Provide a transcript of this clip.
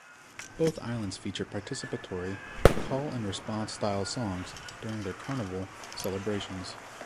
Both islands feature participatory, call-and-response style songs during their Carnival celebrations.